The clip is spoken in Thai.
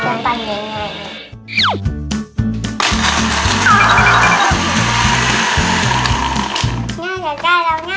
ยังได้แล้วไง